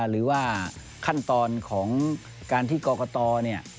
หรือว่าขั้นตอนของการที่กรกตเนี่ย